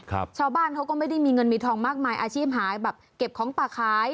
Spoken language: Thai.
ชาวบ้านเขาก็ไม่ได้มีเงินมีทองมากมายอาชีพหายแบบเก็บของป่าขาย